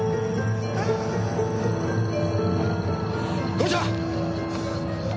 黒ちゃん！